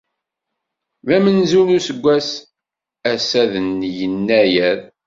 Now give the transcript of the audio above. D amenzu n useggas, ass-a d yennayer.